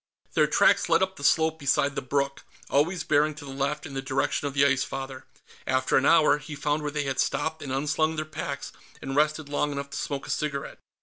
Their tracks led up the slope beside the brook, always bearing to the left, in the direction of the Ice Father. After an hour, he found where they had stopped and unslung their packs, and rested long enough to smoke a cigarette.